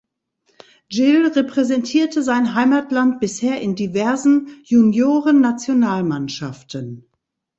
Gil repräsentierte sein Heimatland bisher in diversen Juniorennationalmannschaften.